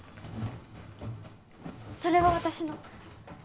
それは私の。